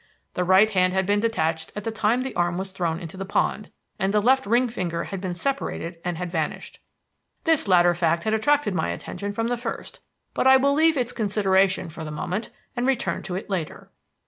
The right hand had been detached at the time the arm was thrown into the pond, and the left ring finger had been separated and had vanished. This latter fact had attracted my attention from the first, but I will leave its consideration for the moment and return to it later."